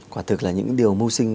quả thực là những điều mưu sinh